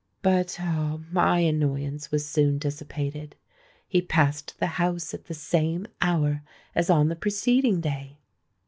But, ah! my annoyance was soon dissipated:—he passed the house at the same hour as on the preceding day!